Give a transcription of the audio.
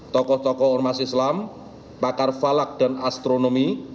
tokoh tokoh ormas islam pakar falak dan astronomi